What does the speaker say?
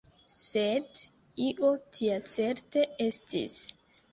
Sed io tia certe estis.